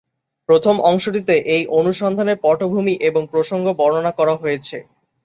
প্রথম অংশটিতে এই অনুসন্ধানের পটভূমি এবং প্রসঙ্গ বর্ণনা করা হয়েছে।